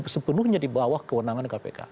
sepenuhnya di bawah kewenangan kpk